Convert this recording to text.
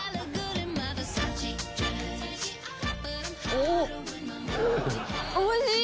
おぉおいしい！